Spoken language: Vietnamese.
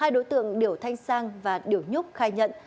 hai đối tượng điểu thanh sang và điều nhúc khai nhận